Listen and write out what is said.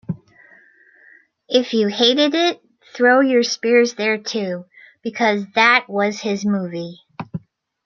If you hated it, throw your spears there too, because that was his movie.